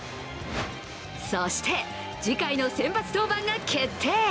そして次回の先発登板が決定。